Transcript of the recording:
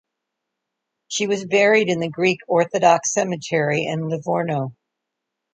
She was buried in the Greek Orthodox cemetery in Livorno.